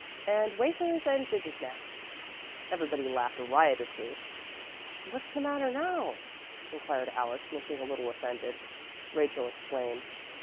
"And wafers and gingersnaps " Everybody laughed riotously. "What's the matter now?" inquired Alice, looking a little offended. Rachel explained.